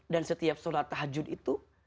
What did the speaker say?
dan setiap sholat tahajud itu